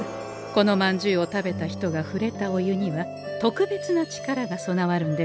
このまんじゅうを食べた人がふれたお湯には特別な力が備わるんでござんす。